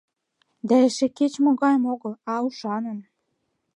Да эше кеч-могайым огыл, а ушаным.